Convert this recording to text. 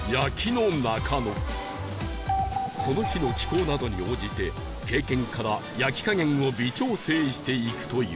その日の気候などに応じて経験から焼き加減を微調整していくという